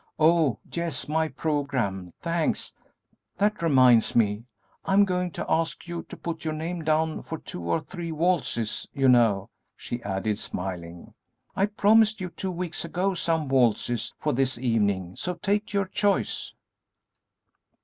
Oh, yes, my programme; thanks! That reminds me, I am going to ask you to put your name down for two or three waltzes; you know," she added, smiling, "I promised you two weeks ago some waltzes for this evening, so take your choice."